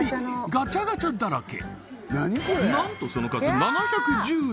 ガチャガチャだらけ！